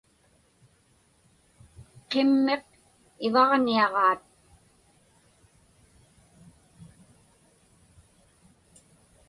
Qimmiq ivaġniaġaat.